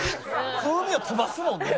風味を飛ばすもんね。